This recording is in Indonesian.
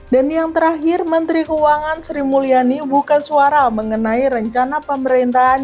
dan yang terakhir menteri keuangan sri mulyani buka suara mengenai rencana pemerintahan